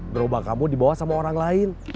gerobak kamu dibawa sama orang lain